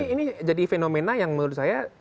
ini jadi fenomena yang menurut saya